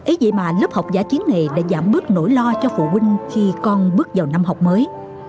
ấy vậy mà lớp học giả chiến này đã giảm bớt nỗi lo cho phụ huynh khi con bước vào năm học mới